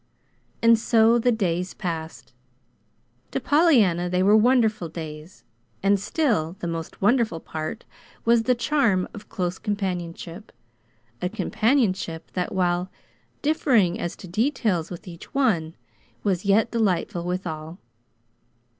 And so the days passed. To Pollyanna they were wonderful days, and still the most wonderful part was the charm of close companionship a companionship that, while differing as to details with each one, was yet delightful with all.